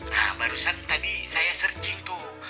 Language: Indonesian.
nah barusan tadi saya searching tuh